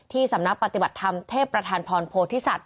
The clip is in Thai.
ที่สำนักปฏิบัติธรรมเทพภัทธานพรโพธิษัท